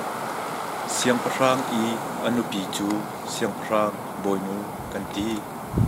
Siangpahrang i a nupi cu siangpahrang bawinu kan ti.